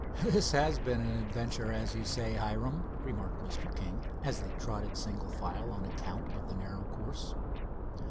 "This has been quite an adventure, as you say, Hiram," remarked Mr. King, as they trotted single file on account of the narrow course.